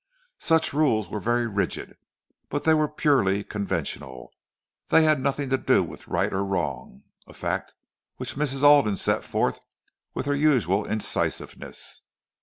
Such rules were very rigid, but they were purely conventional, they had nothing to do with right or wrong: a fact which Mrs. Alden set forth with her usual incisiveness.